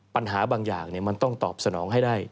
ปัญหาบางอย่างมันต้องตอบสนองให้ได้